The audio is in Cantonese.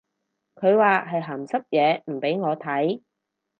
佢話係鹹濕嘢唔俾我睇